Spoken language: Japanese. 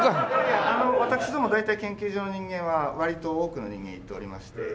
あの私ども研究所の人間は割と多くの人間が行っておりまして。